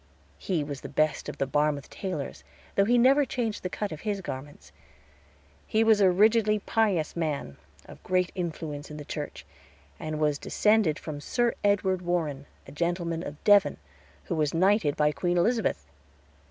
He was the best of the Barmouth tailors, though he never changed the cut of his garments; he was a rigidly pious man, of great influence in the church, and was descended from Sir Edward Warren, a gentleman of Devon, who was knighted by Queen Elizabeth.